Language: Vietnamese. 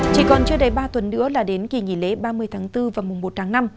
chỉ còn chưa đầy ba tuần nữa là đến kỳ nghỉ lễ ba mươi tháng bốn và mùng một tháng năm